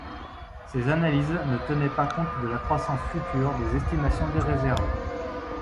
Ces analyses ne tenaient pas compte de la croissance future des estimations des réserves.